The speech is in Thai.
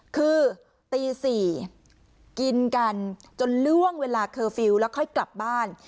คือตี๔กินกันจนล่วงเวลาเคอร์ฟิลล์แล้วค่อยกลับบ้าน